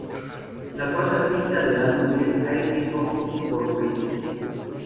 La cuarta pista del álbum es "I'll Be Home for Christmas".